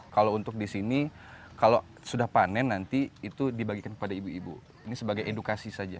kalau untuk di sini kalau sudah panen nanti itu dibagikan kepada ibu ibu ini sebagai edukasi saja